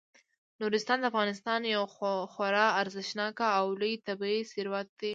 نورستان د افغانستان یو خورا ارزښتناک او لوی طبعي ثروت دی.